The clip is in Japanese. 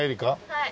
はい。